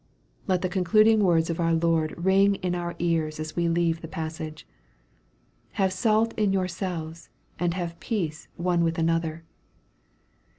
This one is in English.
Let the concluding words of our Lord ring in our ears, as we leave the passage :" Have salt in yourselves, and have peace one with another."